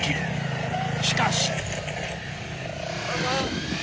［しかし］